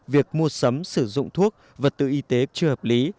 việc mua sắm sử dụng thuốc vật tư y tế chưa hợp lý